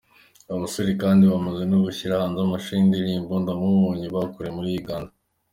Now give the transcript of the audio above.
Aba basore kandi bamaze no gushyira hanze amashusho y’indirimbo ‘Ndamubonye’ bakoreye muri Uganda.